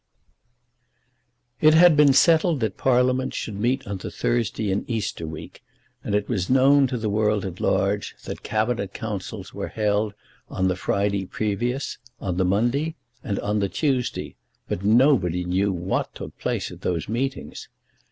It had been settled that Parliament should meet on the Thursday in Easter week, and it was known to the world at large that Cabinet Councils were held on the Friday previous, on the Monday, and on the Tuesday; but nobody knew what took place at those meetings.